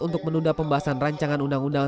untuk menunda pembahasan rancangan undang undang